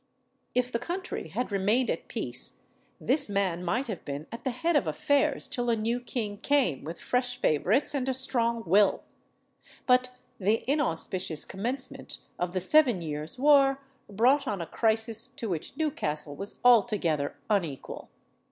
If the country had remained at peace, this man might have been at the head of affairs till a new king came with fresh favourites and a strong will; "but the inauspicious commencement of the Seven Years' War brought on a crisis to which Newcastle was altogether unequal.